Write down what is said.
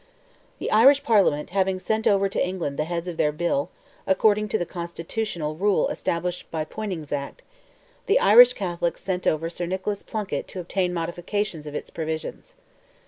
The Irish Parliament having sent over to England the heads of their bill, according to the constitutional rule established by Poyning's Act, the Irish Catholics sent over Sir Nicholas Plunkett to obtain modifications of its provisions.